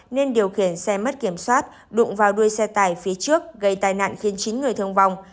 nên điều khiển xe mất kiểm soát đụng vào đuôi xe tải phía trước gây tai nạn khiến chín người thương vong